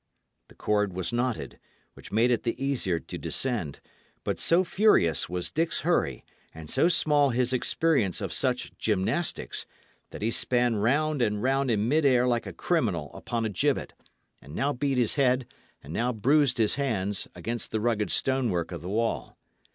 The cord was knotted, which made it the easier to descend; but so furious was Dick's hurry, and so small his experience of such gymnastics, that he span round and round in mid air like a criminal upon a gibbet, and now beat his head, and now bruised his hands, against the rugged stonework of the wall.